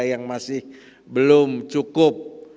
yang masih belum cukup